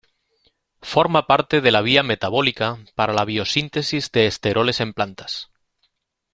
Forma parte de la vía metabólica para la biosíntesis de esteroles en plantas.